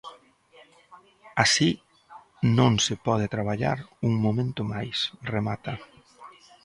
Así non se pode traballar un momento máis, remata.